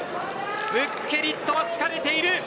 ブッケリットは疲れている。